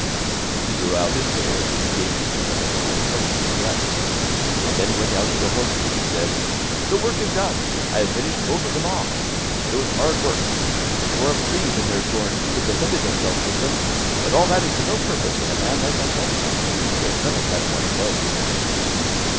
He drew out his sword and gave each of them a couple of thrusts in the breast, and then went out to the horsemen and said: 'The work is done; I have finished both of them off, but it was hard work! They tore up trees in their sore need, and defended themselves with them, but all that is to no purpose when a man like myself comes, who can kill seven at one blow.